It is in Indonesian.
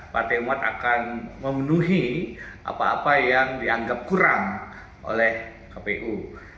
partai umat akan memenuhi apa apa yang dianggap kurang oleh kpu